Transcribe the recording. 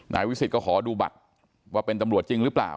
วิสิตก็ขอดูบัตรว่าเป็นตำรวจจริงหรือเปล่า